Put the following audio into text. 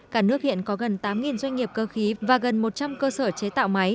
cả nước hiện có gần tám doanh nghiệp cơ khí và gần một trăm linh cơ sở chế tạo máy